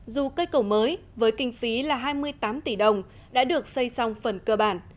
dù cây cầu mới với kinh phí là hai mươi tám tỷ đồng đã được xây xong phần cơ bản